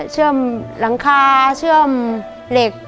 เชื่อมหลังคาเชื่อมเหล็ก